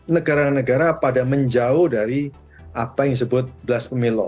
negara negara pada menjauh dari apa yang disebut belas pemilu